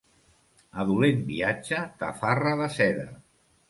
A dolent viatge, tafarra de seda.